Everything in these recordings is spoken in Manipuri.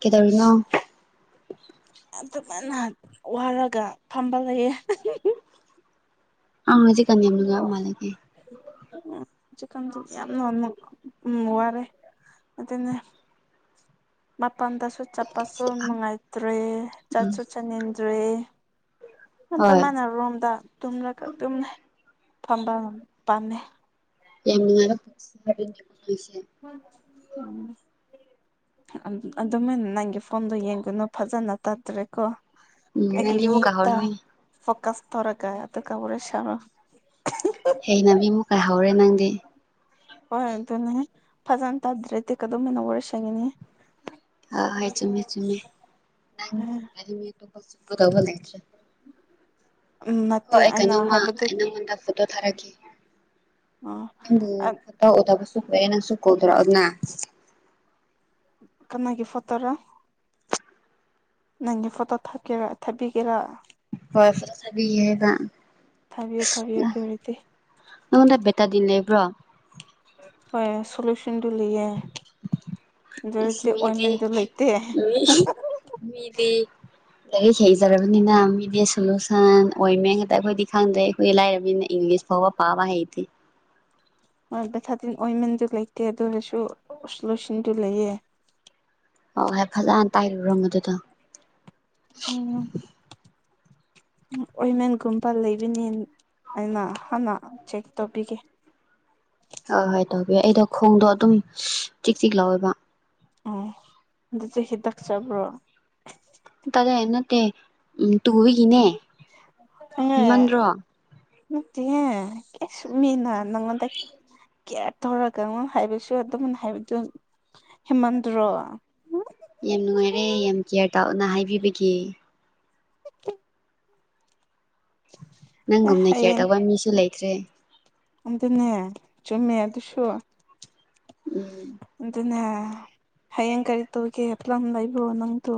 ꯀꯩꯗꯧꯔꯤꯅꯣ꯫ ꯑꯗꯨꯃꯥꯏꯅ ꯋꯥꯔꯒ ꯐꯝꯕ ꯂꯩꯌꯦ [unintelligible] ꯑ ꯍꯧꯖꯤ ꯀꯥꯟ [unintelligible] ꯑ ꯍꯧꯖꯤꯛ ꯀꯥꯟ ꯌꯥꯝꯅ [unintelligible] ꯎꯝ ꯋꯥꯔꯦ ꯑꯗꯨꯅꯦ [unintelligible] ꯃꯄꯥꯟꯗꯁꯨ ꯆꯠꯄꯁꯨ ꯅꯨꯡꯉꯥꯏꯇ꯭ꯔꯦ ꯎꯝ ꯆꯠꯁꯨ ꯆꯠꯅꯤꯡꯗ꯭ꯔꯦ꯫ ꯑꯗ ꯍꯣꯏ ꯃꯥꯅꯔꯣꯝꯗ ꯇꯨꯝꯂꯒ ꯇꯨꯝꯃꯦ ꯐꯝꯕ ꯄꯥꯝꯅꯩ꯫ ꯌꯥꯝ ꯅꯨꯛꯉꯥꯏꯕ ꯄꯨꯟꯁꯤ ꯃꯍꯤꯡꯅꯤ [unintelligible] ꯎꯝ ꯑꯗꯨꯃꯥꯏꯅ ꯅꯪꯒꯤ ꯐꯣꯝꯗꯣ ꯌꯦꯡꯒꯅꯨ ꯐꯖꯅ ꯇꯠꯇ꯭ꯔꯦꯀꯣ꯫ ꯎꯝ ꯑꯩꯒꯤ ꯅꯪꯗꯤ ꯑꯃꯨꯛꯀ ꯃꯤꯠꯇ ꯍꯧꯔꯅꯤ ꯐꯣꯀꯁ ꯇꯩꯔꯒ ꯑꯗꯨꯒ ꯋꯥꯔꯤ ꯁꯥꯔꯣ꯫ ꯍꯩꯅꯕꯤ ꯃꯨꯛꯀ ꯍꯧꯔꯦ ꯅꯪꯗꯤ꯫ ꯍꯣꯏ ꯑꯗꯨꯅꯦ ꯐꯖꯟ ꯇꯥꯗ꯭ꯔꯦ ꯗꯤ ꯀꯗꯧꯅꯃ ꯅ ꯋꯥꯔꯤ ꯁꯥꯒꯅꯤ꯫ ꯑ ꯍꯣꯢ ꯆꯨꯃꯦ ꯆꯨꯃꯦ ꯛꯗꯨ ꯃꯤ ꯑꯇꯣꯞꯄ [unintelligible] ꯎꯝ ꯅꯠꯇꯦ ꯍꯣꯏ ꯑꯩꯅ ꯀꯩꯅꯣꯃ ꯍꯥꯏꯕꯗꯤ ꯑꯩ ꯅꯉꯣꯟꯗ [unintelligible] ꯊꯥꯔꯛꯀꯦ ꯅꯪꯕꯨ ꯑ ꯐꯣꯠꯇꯣ ꯎꯗꯕ [unintelligible] ꯅꯪꯁꯨ ꯀꯣꯜ ꯇꯧꯔꯛꯑꯣꯗꯅ꯫ ꯀꯅꯥꯒꯤ ꯐꯣꯠꯇꯣꯔ꯫ ꯅꯪꯒꯤ ꯐꯣꯇꯣ ꯊꯥꯀꯦꯔꯥ ꯊꯥꯕꯤꯒꯦꯔꯥ꯫ ꯍꯣꯢ ꯐꯣꯇꯣ ꯊꯥꯕꯤꯒꯦ ꯍꯥꯏꯕ꯫ ꯊꯥꯕꯤꯌꯨ ꯊꯥꯕꯤꯌꯨ ꯑꯗꯨ ꯑꯣꯏꯔꯗꯤ ꯅꯪꯉꯣꯟꯗ ꯕꯦꯇꯥꯗꯤꯟ ꯂꯩꯕ꯭ꯔꯣ꯫ ꯍꯣꯏ ꯁꯣꯂꯨꯁꯟꯗꯨ ꯂꯩꯌꯦ꯫ ꯑꯗꯨ ꯏꯁ ꯑꯣꯏꯔꯗꯤ ꯃꯤꯗꯤ ꯑꯣꯏꯟꯃꯦꯟꯗꯨ ꯂꯩꯇꯦ ꯃꯤ ꯃꯤꯗꯤ ꯂꯥꯢꯔꯤꯛ ꯍꯩꯖꯔꯕꯅꯤꯅ ꯃꯤꯗꯤ ꯁꯣꯂꯨꯁꯟ ꯑꯣꯏꯃꯦ ꯍꯦꯛꯇ ꯑꯩꯈꯣꯏꯗꯤ ꯈꯪꯗꯦ ꯑꯩꯈꯣꯏ ꯂꯥꯏꯔꯃꯤꯅ ꯏꯪꯂꯤꯁ ꯐꯥꯎꯕ ꯄꯥꯕ ꯍꯩꯇꯦ꯫ ꯍꯣꯙ ꯚꯦꯊꯥꯗꯤꯟ ꯑꯣꯏꯃꯦꯟꯁꯨ ꯂꯩꯇꯦ ꯑꯗꯨ ꯑꯣꯏꯔꯁꯨ ꯂꯣꯁꯤꯟꯗꯨ ꯂꯩꯌꯦ꯫ ꯍꯣꯏ ꯍꯣꯏ ꯐꯖꯅ ꯇꯩꯔꯨꯔꯣ ꯃꯗꯨꯗ ꯎꯝ꯫ ꯑꯣꯏꯃꯟꯒꯨꯝꯕ ꯂꯩꯕꯅꯦ ꯑꯩꯅ ꯍꯥꯟꯅ ꯆꯦꯛ ꯇꯧꯕꯤꯒꯦ꯫ ꯍꯣꯏ ꯍꯣꯏ ꯇꯧꯕꯤꯌꯣ ꯑꯩꯗꯣ ꯈꯣꯡꯗꯣ ꯑꯗꯨꯝ ꯆꯤꯛ ꯆꯤꯛ ꯂꯥꯛꯋꯦꯕ꯫ ꯑꯣ ꯑꯗ ꯆꯍꯤ ꯍꯈꯤꯗꯛ ꯆꯕ꯭ꯔꯣ ꯇꯔꯦ ꯅꯠꯇꯦ ꯎ ꯇꯨꯕꯤꯒꯤꯅꯦ ꯍꯦꯃꯟꯗ꯭ꯔꯣ ꯃꯠꯇ ꯀꯦ ꯁꯃꯅ ꯅꯪ ꯀꯦꯌꯥꯔ ꯇꯧꯔꯒ ꯍꯥꯏꯕꯁꯨ ꯑꯗꯨꯝꯅ ꯍꯥꯏꯕꯗꯨ ꯍꯦꯃꯟꯗ꯭ꯔꯣ ꯌꯥꯝ ꯅꯨꯡꯉꯥꯏꯔꯦ ꯌꯥꯝ ꯀꯤꯌꯔ ꯇꯥꯎꯅ ꯍꯥꯏꯕꯤꯕꯒꯤ [inaudible] ꯅꯪꯒꯨꯝꯅ ꯀꯦ ꯍꯌꯦꯡ ꯇꯧꯕ ꯃꯤꯁꯨ ꯂꯩꯈ꯭ꯔꯦ ꯑꯗꯨꯅꯦ ꯆꯨꯝꯃꯦ ꯑꯗꯨꯁꯨ ꯎꯝ ꯑꯗꯨꯅꯦ ꯍꯌꯦꯡ ꯀꯔꯤ ꯇꯨ ꯀ ꯍ꯭ꯂꯝ ꯂꯩꯏꯕꯣ ꯅꯪ ꯇ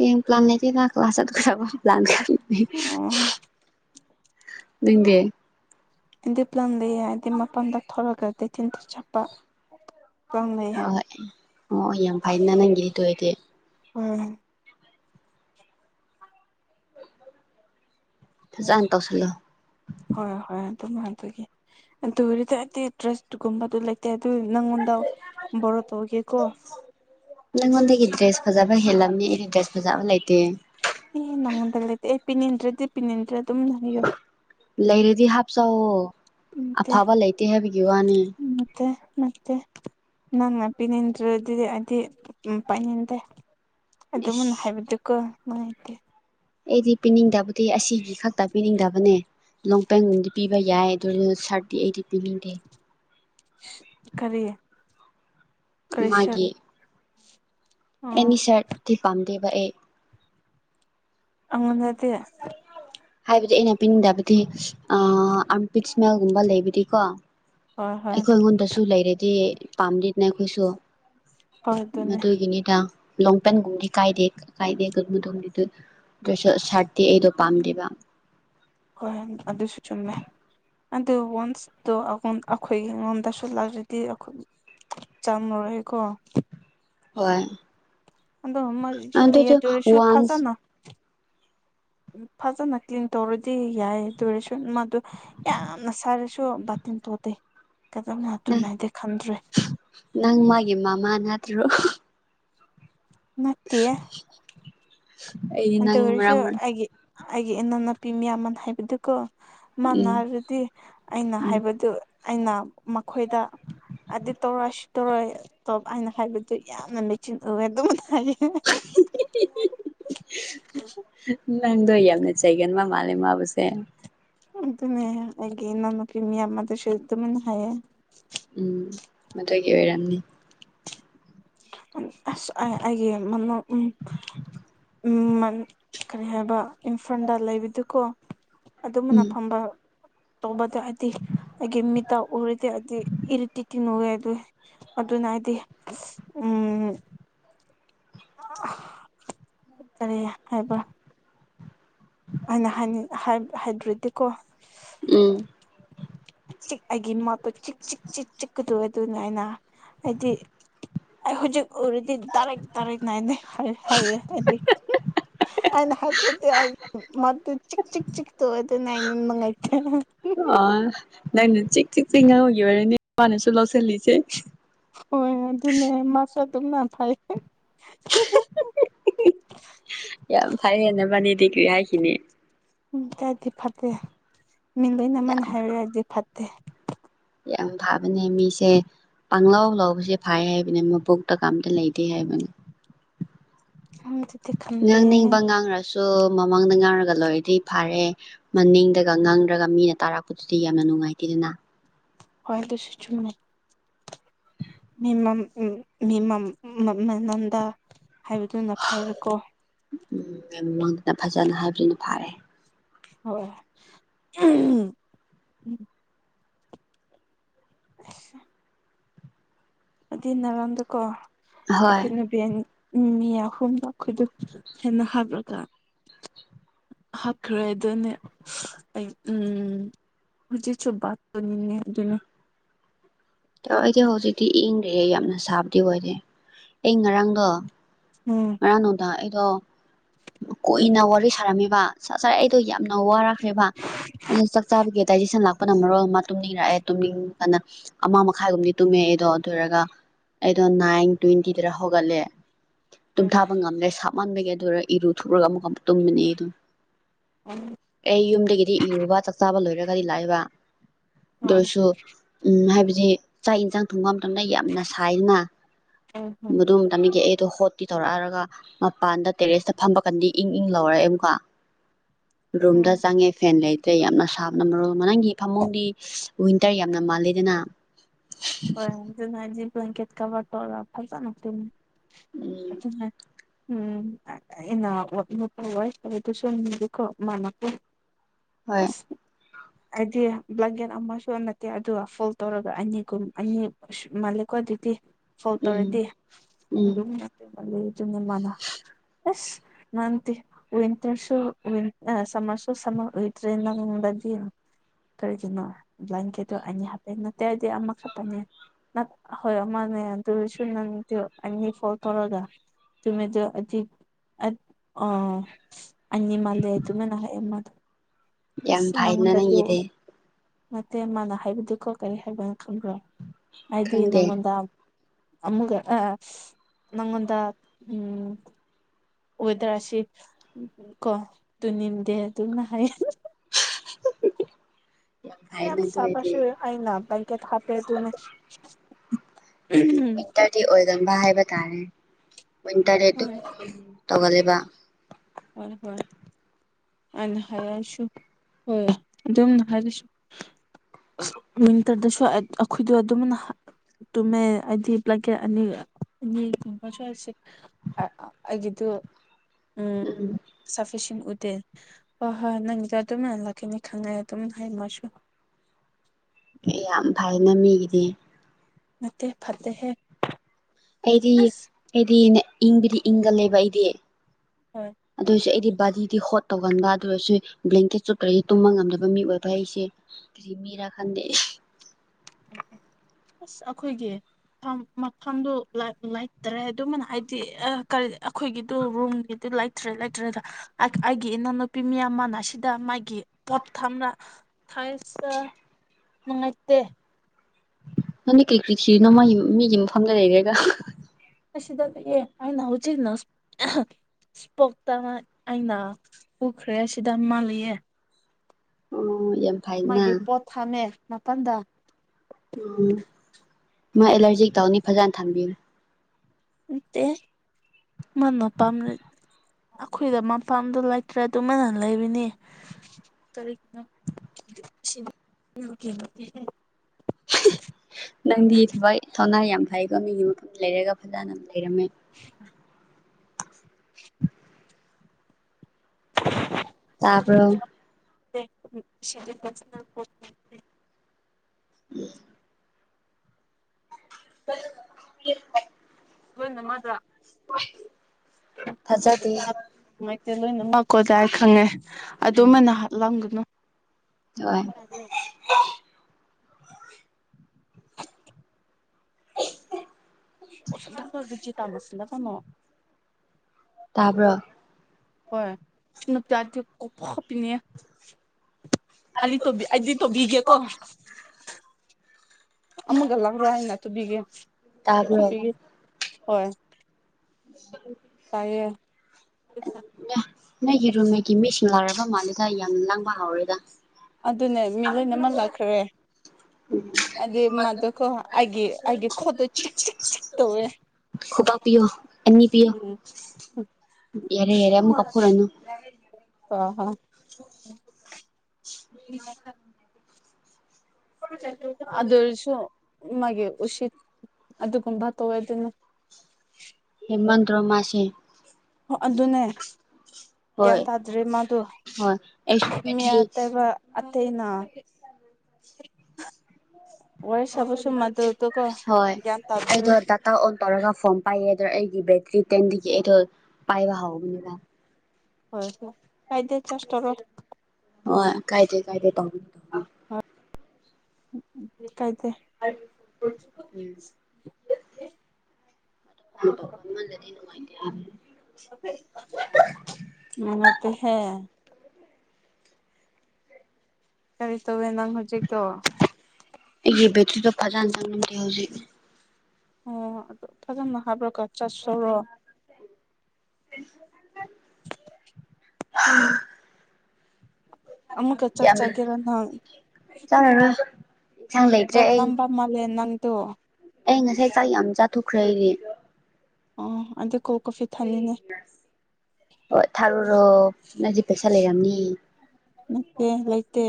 ꯇ ꯄ꯭ꯂꯥꯟ ꯅ ꯀ ꯀ꯭ꯂꯥꯁꯠ ꯀꯔ ꯄ꯭ꯂꯥꯟ ꯑ ꯅꯪꯗꯤ ꯑꯗꯨꯏ [unintelligible] ꯗꯤ ꯃꯄꯥꯟꯗ ꯊꯣꯔꯛꯒ ꯀꯩꯊꯦꯟꯗ ꯆꯠꯄ ꯄ꯭ꯂꯥꯟ ꯂꯩꯌꯦ ꯍꯣꯏ ꯍꯣꯏ ꯑꯣ ꯌꯥꯝ ꯐꯩꯅ ꯅꯪꯒꯤꯗꯤ ꯗꯨꯑꯣꯏꯗꯤ ꯎꯥ ꯆ ꯇꯧꯁꯂ ꯍꯣꯏ ꯍꯣꯏ ꯑꯗꯨꯝ ꯑꯗꯨꯒꯤ ꯑꯗꯨꯗꯗꯤ ꯗ꯭ꯔꯁꯒꯨꯝꯕ ꯂꯩꯇꯦ ꯅꯪꯉꯣꯟꯗ ꯣꯔꯣ ꯇꯧꯒꯦꯀꯣ ꯅꯪꯉꯣꯟꯗꯒꯤ ꯗ꯭ꯔꯦꯁ ꯐꯖꯕ ꯍꯦꯜꯂꯝꯃꯤ ꯑꯩꯅ ꯏꯟꯇꯔꯦꯁ ꯐꯖꯕ ꯂꯩꯇꯦ ꯏꯍꯦ ꯅꯪꯉꯣꯟꯗ ꯂꯩꯇꯦ ꯑꯩ ꯄꯤꯅꯤꯡꯟꯗ꯭ꯔꯗꯤ ꯄꯤꯅꯤꯡꯟꯗ꯭ꯔꯦ ꯑꯗꯨꯝꯅ ꯍꯥꯏꯌꯣ ꯆꯞꯆꯧ ꯅꯠꯇꯦ ꯑꯐꯕ ꯂꯩꯇꯦ ꯍꯥꯏꯕꯒꯤ ꯋꯥꯅꯤ ꯅꯠꯇꯦ ꯅꯠꯇꯦ ꯅꯪꯅ ꯄꯤꯅꯤꯡꯗ꯭ꯔ ꯑꯗꯨꯗꯤ ꯑꯩꯗꯤ ꯄꯥꯏꯅꯤꯡꯗꯦ ꯑꯗꯨ ꯃꯅ ꯏꯁ ꯍꯥꯏꯕꯗꯨꯀꯣ ꯅꯨꯡꯉꯥꯏꯇꯦ ꯑꯩꯗꯤ ꯄꯤꯅꯤꯡꯗꯕꯨꯗꯤ ꯑꯁꯤꯒꯤ ꯈꯛꯇ ꯄꯤꯅꯤꯡꯗꯕꯅꯦ ꯂꯣꯡꯄꯦꯟꯒꯨꯝꯗꯤ ꯄꯤꯕ ꯌꯥꯏ ꯑꯗꯨꯅ ꯁꯥꯔꯗꯤꯤ ꯑꯩꯗꯤ ꯄꯤꯅꯤꯡꯗꯦ ꯀꯔꯤꯌꯦ ꯃꯥꯒꯤ ꯑꯦꯅꯤ ꯑꯣ ꯁꯔ ꯊꯤ ꯄꯥꯝꯗꯦꯕ ꯑꯦ ꯑꯉꯗꯤ ꯍꯥꯏꯕꯗꯤ ꯑꯩꯅ ꯄꯤꯅꯤꯡꯗꯕꯗꯤ ꯑꯥꯔꯝꯄꯤꯠ ꯏꯁꯃꯦꯜꯒꯨꯝꯕ ꯂꯩꯕꯗꯤꯀꯣ ꯍꯣꯏ ꯍꯣꯏ ꯑꯩꯈꯣꯏ ꯑꯩꯉꯣꯟꯗꯁꯨ ꯂꯩꯔꯗꯤ ꯄꯥꯝꯗꯦꯅꯦ ꯑꯩꯈꯣꯏꯁꯨ ꯍꯣꯏ ꯑꯗꯨꯅꯦ ꯑꯗꯨꯒꯤꯅꯤꯗ ꯂꯣꯡꯄꯦꯟꯒꯨꯝꯕꯗꯤ ꯀꯥꯏꯗꯦ ꯀꯥꯏꯗꯦ [unintelligible] ꯗꯣꯏꯁꯨ ꯁꯥꯔꯠꯇꯤ ꯑꯩꯗꯣ ꯄꯥꯝꯗꯦꯕ ꯍꯣꯏ ꯑꯗꯨꯁꯨ ꯆꯨꯝꯃꯦ ꯑꯗꯨ ꯋꯥꯟꯁꯇꯣ ꯑꯩꯈꯣꯏꯒꯤ ꯉꯣꯟꯗꯁꯨ ꯂꯩꯔꯗꯤ ꯑꯩꯈꯣꯏ ꯆꯝꯃꯔꯣꯏꯀꯣ ꯍꯣꯏ ꯑꯗꯣ ꯃꯔꯤꯁꯨ ꯂꯩꯌꯦ ꯑꯗꯨꯁꯨ ꯑꯗꯨꯑꯣꯏꯔꯁꯨ ꯋꯥꯟꯁ ꯐꯖꯅ [inaudible] ꯎ ꯐꯖꯅ ꯀ꯭ꯂꯤꯟ ꯇꯧꯔꯗꯤ ꯌꯥꯏ ꯑꯗꯨ ꯑꯣꯏꯔꯁꯨ ꯃꯥꯗꯨ ꯌꯥꯝꯅ ꯁꯥꯔꯁꯨ ꯕꯥ [unintelligible] ꯅꯪ ꯃꯥꯒꯤ ꯃꯥꯃꯥ ꯅꯠꯗ꯭ꯔꯣ ꯅꯠꯇꯤꯌꯦ ꯑꯩꯗꯤ ꯅꯪ ꯑꯗꯨꯑꯣꯏꯔꯁꯨ ꯃꯔꯛ ꯃꯔꯛ ꯑꯩꯒꯤ ꯑꯩꯒꯤ ꯏꯅꯥꯎꯅꯨꯄꯤ ꯃꯌꯥꯝꯃꯅ ꯍꯥꯏꯕꯗꯨꯀꯣ ꯎꯝ ꯃꯥꯅꯔꯗꯤ ꯑꯩꯅ ꯎꯝ ꯍꯥꯏꯕꯗꯨ ꯑꯩꯅ ꯃꯈꯣꯏꯗ ꯑꯗꯨ ꯇꯧꯔꯛꯁꯨ ꯇꯧꯔꯣꯏ ꯇꯣꯞ ꯑꯅ ꯍꯥꯏꯕꯗꯨ ꯌꯥꯝꯅ ꯃꯦꯆꯤꯟ ꯑꯣꯏꯑꯦ ꯑꯗꯨꯝ [inaudible] ꯅꯪ ꯗꯣ ꯌꯥꯝ ꯆꯩꯒꯟꯕ ꯃꯥꯜꯂ ꯃꯥꯕꯨꯁꯦ ꯑꯗꯨꯅꯦ ꯑꯩꯒꯤ ꯏꯅꯥꯎꯅꯨꯄꯤ ꯃꯌꯥꯝ ꯃꯗꯁꯨꯗ ꯗꯨꯝꯃꯅ ꯍꯥꯏꯌꯦ ꯎꯝ ꯃꯗꯨꯒꯤ ꯑꯣꯏꯔꯝꯅꯤ ꯑꯁ ꯑꯩ ꯑꯩꯒꯤ ꯃ ꯎ ꯀꯔꯤ ꯍꯥꯏꯕ ꯏꯝꯐꯜꯗ ꯂꯩꯕꯗꯨꯀꯣ ꯑꯗꯨꯝꯕꯅ ꯎꯝ ꯐꯝꯕ ꯇꯧꯕꯗꯤ ꯍꯥꯏꯗꯤ ꯑꯩꯒꯤ ꯃꯤꯇ ꯎꯔꯗꯤ ꯍꯥꯏꯗꯤ ꯏꯔꯤꯇꯤꯇꯤꯟ ꯑꯣꯏ ꯑꯗꯨ ꯑꯗꯨꯅ ꯑꯩꯗꯤ ꯎꯝ [inaudible] ꯔꯤ ꯍꯥꯏꯕ ꯑꯩꯅ ꯍꯥꯏ ꯍꯥꯏꯗ꯭꯭ꯔꯦꯠꯇꯤꯀꯣ ꯎꯝ ꯆꯤꯛ ꯑꯩꯒꯤ ꯃꯣꯠꯇꯣ ꯆꯤꯛ ꯆꯤꯛ ꯆꯤꯛ ꯆꯤꯛꯀꯗꯣꯏ ꯑꯗꯨꯅꯦ ꯑꯩꯅ ꯍꯥꯏꯗꯤ ꯑꯩ ꯍꯧꯖꯤꯛ ꯎꯔꯗꯤ ꯇꯥꯔꯩꯀ ꯇꯥꯔꯛ ꯅꯥꯏꯗꯦ ꯍꯥꯏꯔꯦ ꯍꯥꯏꯗꯤ ꯑꯩꯅ ꯍꯠꯇ꯭ꯔꯗꯤ ꯃ ꯇꯨ ꯆꯤꯛ ꯆꯤꯛ ꯆꯤꯛ ꯇ ꯅꯅꯥꯏꯅ ꯃꯉ ꯑ ꯅꯪꯅ ꯆꯤꯛ ꯆꯤꯛ ꯆꯤꯉꯥꯡꯉꯨꯒꯤ ꯑꯣꯏꯔꯅꯤ ꯃꯥꯅꯁꯨ ꯂꯧꯁꯤꯜꯂꯤꯁꯦ ꯍꯣꯏ ꯑꯗꯨꯅꯦ ꯃꯥꯁ ꯑꯗꯨꯝꯅ ꯐꯩꯌꯦ ꯀ꯭ꯔꯤ ꯍꯥꯏꯈꯤꯅꯤ ꯎꯝ ꯇꯗꯤ ꯐꯠꯇꯦ ꯃꯤ ꯂꯣꯏꯅꯃꯛꯅ ꯍꯥꯏꯔꯛ ꯑꯗꯤ ꯐꯠꯇꯦ ꯌꯥꯝ ꯐꯕꯅꯦ ꯃꯤꯁꯦ ꯄꯥꯡꯂꯧ ꯂꯧꯕꯁꯦ ꯐꯩ ꯍꯥꯏꯕꯅꯦ ꯃꯕꯣꯛꯇ ꯀꯑꯝꯇ ꯂꯩꯇꯦ ꯍꯥꯏꯕꯅꯦ ꯑꯗꯨꯗꯤ ꯈꯪꯗꯦ ꯉꯥꯡꯅꯤꯡꯕ ꯉꯥꯡꯔꯁꯨ ꯑꯣ ꯃꯃꯥꯡꯗ ꯉꯥꯡꯔꯒ ꯂꯣꯏꯔꯗꯤ ꯐꯥꯔꯦ ꯃꯅꯤꯡꯗꯒ ꯉꯥꯡꯔꯒ ꯃꯤꯅ ꯇꯥꯔꯛꯄꯗꯨꯗꯤ ꯌꯥꯝꯅ ꯅꯨꯡꯉꯥꯏ ꯅꯨꯡꯉꯥꯏꯇꯦꯗꯅ ꯍꯣꯏ ꯑꯗꯨꯁꯨ ꯆꯨꯨꯝꯃꯦ ꯃꯤꯃꯝ ꯎꯝ ꯃꯤꯃꯝ ꯃ ꯅꯟꯗ ꯍꯥꯏꯕꯗꯨꯅ ꯐꯩꯕꯀꯣ ꯎꯝ ꯃ ꯃꯃꯥꯡꯗꯅ ꯐꯖꯅ ꯍꯥꯏꯕꯗꯨꯅ ꯐꯥꯔꯦ ꯍꯣꯏ ꯎꯝ [inaudible] ꯑꯗꯨꯏ ꯅꯔꯥꯡꯗꯀꯣ ꯑꯍꯣꯏ ꯑꯩꯈꯣꯏ ꯅꯨꯕꯤ ꯃꯤ ꯑꯍꯨꯝ ꯑꯩꯈꯣꯏꯗ ꯍꯦꯟꯅ ꯍꯥꯞꯕꯔꯒ ꯍꯥꯞꯈ꯭ꯔꯦ ꯑꯗꯨꯅꯦ ꯑꯩ ꯎꯝ ꯍꯧꯖꯤꯛꯁꯨ [unintelligible] ꯗꯨꯅꯦ [unintelligible] ꯇ ꯑꯩꯗꯤ ꯍꯧꯖꯤꯛꯇꯤ ꯏꯪꯗ꯭ꯔꯦ ꯌꯥꯝꯅ ꯁꯥꯕꯗꯤ ꯑꯣꯏꯔꯦ ꯑꯩ ꯉꯔꯥꯡꯗꯣ ꯎꯝ ꯉꯔꯥꯡꯅꯨꯗ ꯑꯩꯗꯣ ꯀꯨꯏꯅ ꯋꯥꯔꯤ ꯁꯥꯔꯝꯃꯤꯕ ꯁꯥꯔꯦ ꯑꯩꯗꯣ ꯋꯥꯔꯛꯈ꯭ꯔꯦꯕ ꯑꯗꯨꯗ ꯆꯥꯛ ꯆꯥꯕꯒꯤ ꯑꯗꯥꯏꯖꯦꯁꯟ ꯂꯥꯛꯄ ꯄꯨꯝꯅ ꯃꯔꯣꯜ ꯑꯃ ꯇꯨꯝꯅꯤꯡꯔꯛꯑꯦ ꯇꯨꯝꯅꯤꯡ ꯀꯅ ꯑꯃ ꯃꯈꯥꯏꯒꯨꯝꯕꯗꯤ ꯇꯨꯝꯃꯦ ꯑꯩꯗꯣ ꯑꯗꯨꯔꯒ ꯑꯩꯗꯣ ꯅꯥꯏꯟ ꯇ꯭ꯋꯦꯟꯇꯤꯗꯔ ꯍꯧꯒꯠꯂꯦ ꯎꯝ ꯇꯨꯝꯊꯥꯕ ꯉꯝꯂ꯭ꯔꯦ ꯁꯥꯞꯃꯟꯕꯒꯤ ꯑꯗꯨꯔ ꯏꯔꯨ ꯊꯣꯛꯎꯒ ꯑꯃꯨꯛꯀ ꯑꯃꯨꯛ ꯇꯨꯝꯕꯅꯤ ꯑꯗꯨꯝ ꯎꯝ ꯑꯩ ꯌꯨꯝꯗꯒꯤꯗꯤ ꯏꯔꯨꯕ ꯆꯥꯛꯆꯥꯥꯕ ꯂꯣꯏꯔꯒꯗꯤ ꯂꯥꯛꯏꯕ ꯑꯗꯨ ꯎꯝ ꯑꯣꯏꯁꯨ ꯎꯝ ꯍꯥꯏꯕꯗꯤ ꯆꯥꯛ ꯌꯦꯟꯁꯥꯡ ꯊꯣꯡꯐꯝ ꯃꯇꯝꯗ ꯌꯥꯝꯅ ꯁꯥꯏꯖꯅ ꯎꯝ ꯎꯝ ꯃꯗꯨꯝ ꯇꯝꯕꯤꯒ ꯑꯩ ꯑꯗꯨ ꯍꯣꯠꯇꯤ ꯇꯧꯔꯛꯑꯔꯒ ꯃꯄꯥꯟꯗ ꯇꯦꯔꯦꯁꯇ ꯐꯝꯕ ꯀꯥꯟꯗꯤ ꯏꯪ ꯏꯪ ꯂꯧꯔꯛꯑꯦ ꯑꯃꯨꯛꯀ ꯔꯣꯝꯗ ꯎꯝ ꯆꯥꯡꯉꯦ ꯐꯦꯟ ꯂꯩ ꯌꯥꯝꯅ ꯁꯥꯕꯅ ꯃꯔꯣꯜ ꯅꯪꯒꯤ ꯐꯃꯨꯡꯗꯤ ꯋꯤꯟꯇꯔ ꯌꯥꯝꯅ ꯃꯥꯜꯂꯤꯗꯅ ꯀꯖꯤ ꯄ ꯀꯦꯀ ꯇꯣꯔ ꯐꯔ ꯆ ꯅ ꯎꯝ ꯑꯗꯨ ꯎꯝ ꯑꯩꯅ ꯅꯨꯄꯥ ꯑꯣꯏ ꯍꯥꯏꯗꯨꯁꯨꯀꯣ ꯃꯥ ꯃꯄ ꯍꯣꯏ ꯑꯁ ꯍꯥꯏꯗꯤ ꯂꯕ꯭ꯂꯒꯦꯟ ꯑꯃꯁ ꯁ ꯅꯠꯇꯦ ꯑꯗꯨꯒ ꯐꯣꯜ ꯇꯧꯔꯒ ꯑꯅꯤꯒꯨꯝ ꯑꯅꯤ ꯃꯥꯜꯂꯦꯀꯣ ꯑꯗꯨꯗꯤ ꯐꯧ ꯎꯝ ꯇꯧꯔꯗꯤ ꯎꯝ ꯑꯗꯨ ꯑ ꯆꯨꯝ ꯃꯅ ꯑꯁ ꯅꯥꯟꯇꯤ ꯍꯋꯟꯇꯁꯨꯣꯋꯤꯟ ꯑ ꯁꯥꯁꯨꯣ ꯏꯗ꯭ꯔꯦ ꯅ ꯀꯔꯤꯒꯤꯅꯣ ꯕ꯭ꯂꯥꯟꯀꯦꯠꯇꯣ ꯑꯅꯤ ꯍꯥꯞꯄꯦ ꯅꯠꯇꯦ ꯍꯥꯏꯗꯤ ꯑꯃꯛ ꯍꯥꯞꯄꯅꯦ ꯍꯣꯏ ꯑꯃꯅꯦ ꯑꯗꯨꯁꯨ ꯅ ꯑꯅꯤ ꯐꯣꯟ ꯇꯧꯔꯒ ꯇꯃꯤꯗ ꯑꯖꯤ ꯑ ꯑ ꯑ ꯃꯥꯜ ꯍꯥꯏ ꯇꯅꯅꯃ ꯌꯥꯝ ꯑꯁ ꯐꯩꯅ ꯅꯪꯉꯣꯟꯗꯗꯤꯣ ꯅꯪꯒꯤꯗꯤ ꯅꯠꯇꯦ ꯃꯥꯅ ꯍꯥꯏꯕꯗꯨꯀꯣ ꯀꯔꯤ ꯍꯥꯏꯕꯅ ꯈꯪꯕ꯭ꯔꯣ ꯍꯥꯏꯗꯤ ꯈꯪꯗꯦ ꯅꯪꯉꯣꯟꯗ ꯑꯃꯀ ꯑ ꯅꯉꯗ ꯎꯝ ꯑꯣꯏꯋꯗ꯭ꯔ ꯑꯁꯤ ꯀꯣ ꯇꯨ ꯅꯅꯤꯃꯤꯗꯦ ꯇꯨꯅ [unintelligible] [inaudible] ꯌꯥꯝ ꯐꯩꯅ ꯑꯗꯨ ꯑꯣꯏꯗꯤ ꯁꯥꯕꯁꯦ ꯑꯩꯅꯥ ꯕꯂꯦꯟꯀꯦꯠ ꯍꯞꯄꯦ ꯑꯗꯨꯅꯤ ꯗꯤ ꯑꯣꯏ ꯕ ꯍꯥꯏꯕ ꯇꯥꯔꯦ ꯋꯤꯟꯇꯔꯗꯤ ꯑꯗꯨꯝ ꯍꯣꯏ ꯇꯧꯒꯜꯂꯦꯕ ꯍꯣꯏ ꯍꯣꯏ [inaudible] ꯑꯅ ꯍꯁꯨ ꯍ ꯑꯗꯨꯝꯅ ꯍꯔꯁꯨ ꯋꯤꯟꯇꯔꯗꯁꯨ ꯑꯩꯈꯣꯏꯗꯣ ꯑꯗꯨꯝ ꯇꯨꯝꯃꯦ ꯍꯥꯏꯗꯤꯞꯂꯒꯦ ꯑꯅꯤ ꯎ ꯊ ꯃ ꯆꯁꯦ ꯑꯩꯒꯤꯗꯨ ꯎꯝ [inaudible] ꯁꯐꯤꯁꯦꯟ ꯎꯗꯦ ꯍꯣꯏ ꯍꯣꯏ ꯅꯪꯒꯤꯗ ꯑꯗꯨꯝ ꯂꯥꯛꯀꯅꯤ ꯈꯪꯅꯦ ꯑꯗꯨꯝ ꯍꯥꯏꯝꯃꯁꯨ ꯑꯦ ꯌꯥꯝ ꯐꯩꯅ ꯃꯤꯒꯤꯗꯤ ꯅ ꯐꯠꯇꯍꯦ ꯑꯩꯗꯤ ꯑꯩꯗꯤ ꯏꯪꯕꯗꯤ ꯏꯪꯒꯜꯂꯦꯕ ꯑꯩꯗꯤ ꯍꯣꯏ ꯑꯗꯨ ꯍꯧꯁꯨꯛ ꯑꯩꯗꯤ ꯕꯥꯗꯤ ꯍꯣꯠ ꯇꯧꯒꯟꯕ ꯑꯗꯨ ꯑꯣꯏꯔꯁꯨ ꯕ꯭ꯂꯦꯡꯀꯦꯠ ꯆꯨꯞꯈ꯭ꯔꯗꯤ ꯇꯨꯝꯕ ꯉꯝꯗꯕ ꯃꯤ ꯑꯣꯏꯕ ꯑꯩꯁꯦ ꯈꯥꯟꯗꯦ ꯑꯁ ꯑꯩꯈꯣꯏꯒꯤ ꯐꯝ ꯃꯐꯝꯗꯨ ꯂꯩꯥꯏꯇꯔꯦ ꯑꯗꯨꯃꯅ ꯍꯥꯏꯕꯗꯤ ꯀꯔꯤ ꯑꯩꯈꯣꯏꯒꯤꯗꯨ ꯔꯨꯝ ꯂꯩꯇ꯭ꯔꯦ ꯂꯩꯇ꯭ꯔꯦꯗ ꯑꯩꯒꯤ ꯏꯅꯥꯎꯅꯨꯄꯤ ꯃꯤꯌꯥꯝ ꯃꯥꯟꯅꯁꯤꯗ ꯃꯥꯒꯤ ꯄꯣꯠ ꯊꯝꯅ ꯊꯥꯏꯁ ꯅꯣꯡꯉꯥꯏꯇꯦ ꯅꯪꯅꯦ ꯀꯔꯤ ꯀꯔꯤ ꯁꯤꯔꯤꯅꯣ ꯃꯥꯒꯤ ꯃꯤꯒꯤ ꯃꯐꯝꯗ ꯂꯩꯈ꯭ꯔꯦꯒ [unintelligible] ꯏꯁꯄꯣꯛꯇ ꯑꯩꯅ ꯄꯨꯈ꯭ꯔꯦ ꯁꯤꯗ ꯃꯥꯂꯩꯑꯦ ꯎꯝ [unintelligible] [inaudible] ꯃꯥꯒꯤ ꯄꯣꯠ ꯊꯥꯝꯃꯦ ꯃꯥꯄꯜꯗ ꯎꯝ ꯃꯥ ꯑꯦꯂꯔꯖꯤꯛ ꯇꯧꯅꯤ ꯐꯖꯅ ꯊꯝꯕꯤꯔꯨ [unintelligible] ꯑꯩꯈꯣꯏꯗ ꯃꯐꯝꯗꯣ ꯂꯩꯇ꯭ꯔꯦ ꯑꯗꯨꯃꯅ ꯂꯩꯕꯅꯦ [unintelligible] ꯅꯪꯗꯤ ꯊꯕꯛ ꯊꯧꯅꯥ ꯌꯥꯝ ꯐꯩꯀꯣ ꯃꯤꯒꯤ ꯃꯐꯝꯗ ꯂꯩꯔꯒ ꯐꯖꯅ ꯂꯩ ꯂꯩꯔꯃꯦ [unintelligible] [unintelligible] ꯇꯥꯕ ꯔꯣ ꯦ [unintelligible] [unintelligible] [unintelligible] [unintelligible] ꯊꯖꯗꯦ [unintelligible] ꯈꯪꯉꯦ ꯎꯝ ꯑꯗꯨꯝꯃꯅ ꯍꯥꯠꯂꯝꯒꯅꯨ ꯍꯣꯏ [unintelligible] [unintelligible] ꯇꯥꯕ꯭ꯔꯣ ꯍꯣꯏ [unintelligible] [unintelligible] ꯑꯩꯗꯤ ꯇꯣꯕꯤꯒꯦ ꯀꯣ ꯑꯃꯒ ꯂꯧꯔꯣ ꯍꯥꯏꯅ ꯇꯨꯕꯤꯒꯦ ꯇꯥꯕ꯭ꯔꯣ ꯍꯣꯏ ꯇꯥꯏꯌꯦ ꯅꯣꯏꯒꯤ ꯔꯨꯝꯃꯤꯠꯀꯤ ꯃꯤꯁꯤꯡ ꯑꯣꯏꯔꯕ ꯃꯥꯜꯂꯦꯗ ꯌꯥꯝꯅ ꯂꯥꯡꯕ ꯍꯥꯎꯔꯦꯗ ꯑꯗꯨꯅꯦ ꯃꯤ ꯂꯣꯏꯅꯃꯛ ꯂꯥꯛꯈ꯭ꯔꯦ ꯑꯗ ꯃꯥꯗꯨ ꯀꯣ ꯑꯩꯒꯤ ꯑꯩꯒꯤ ꯈꯣꯠꯇ ꯆꯤꯛ ꯆꯤꯛ ꯆꯤꯛ ꯇꯧꯋꯦ ꯈꯨꯕꯥꯛ ꯄꯤꯌꯨ ꯑꯅꯤ ꯄꯤꯌꯣ ꯎꯝ ꯌꯥꯔꯦ ꯌꯥꯔꯦ ꯐꯨꯔꯥꯅꯨ ꯑ ꯍꯣ [unintelligible] ꯑꯗꯨ ꯑꯣꯢꯔꯁꯨ ꯃꯥꯒꯤ ꯎꯁꯤꯠ ꯑꯗꯨꯒꯨꯝꯕ ꯇꯧꯋꯦꯗꯅ ꯍꯦꯃꯟꯗ꯭ꯔꯣ ꯃꯥꯁꯦ ꯑꯗꯨꯅꯦ ꯒ꯭ꯌꯥꯟ ꯍꯣꯏ ꯇꯥꯗ꯭ꯔꯤ ꯃꯥꯗꯣ ꯍꯣꯏ ꯑꯩꯁꯨ ꯃꯤ ꯕꯦꯇ꯭ꯔꯤ ꯑꯇꯩꯕ ꯇꯩꯅ ꯍꯣꯏ ꯒ꯭ꯌꯥꯟ ꯇꯥꯗ꯭ꯔꯦ ꯑꯩꯗꯣ ꯗꯥꯇꯥ ꯑꯣꯟ ꯇꯧꯔꯒ ꯐꯣꯝ ꯄꯥꯏꯌꯦ ꯑꯗ ꯑꯩꯒꯤ ꯕꯦꯇ꯭ꯔꯤ ꯇꯦꯟꯗꯒꯤ ꯑꯩꯗꯣ ꯄꯥꯏꯕ ꯍꯧꯕꯅꯦꯕꯥ ꯍꯣꯏ ꯀꯥꯏꯗꯦ ꯆꯖ ꯇꯧꯔꯣ ꯑꯣ ꯀꯥꯏꯗꯦ ꯀꯥꯏꯗꯦ ꯇꯧꯕꯤ [unintelligible] [inaudible] [unintelligible] ꯃꯅꯥꯇꯦ ꯍꯦ ꯀꯔꯤ ꯇꯧꯔꯦ ꯅꯪ ꯍꯧꯖꯤꯛꯀꯣ ꯐꯖ [unintelligible] ꯍꯧꯖꯤ ꯑꯣ ꯑꯗꯨ ꯐꯖꯅ ꯍꯕ꯭ꯔꯥꯀ ꯆꯠꯁꯣꯔꯣ ꯍꯥꯝ ꯑꯃꯨꯛꯀ ꯆꯥꯛ ꯆꯥꯀꯤꯔꯦ ꯅꯪ ꯆꯪꯉꯔꯣꯏ ꯏꯟꯁꯥꯡ ꯂꯩꯇ꯭ꯔꯦ ꯆꯥꯛ ꯑꯩ ꯂꯝꯕ ꯃꯥꯂꯦ ꯅꯪꯗꯨ ꯑꯩ ꯉꯁꯥꯏ ꯆꯥꯛ ꯌꯥꯝ ꯆꯥꯊꯣꯛꯈ꯭ꯔꯦ ꯑꯩꯗꯤ ꯑ ꯑꯗꯣ ꯀꯣꯜ ꯀꯣꯐꯤ ꯊꯥꯛꯅꯤꯡꯂꯦ ꯍꯣꯏ ꯊꯥꯔꯨꯔꯣ ꯅꯪꯗꯤ ꯄꯩꯁꯥ ꯂꯩꯔꯝꯅꯤ ꯅꯠꯇꯦ ꯂꯩꯇꯦ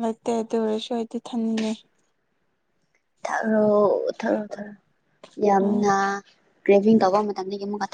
ꯂꯩꯇꯦ ꯑꯗꯨ ꯑꯣꯏꯔꯁꯨ ꯑꯩꯗꯤ ꯊꯝꯗꯦ ꯊꯔꯣꯑꯣ ꯊꯔꯣꯑꯣ ꯊꯔꯣꯑꯣ ꯑꯣ ꯌꯥꯝꯅ ꯀ꯭ꯔꯦꯚꯒꯝꯗꯒꯤ ꯀ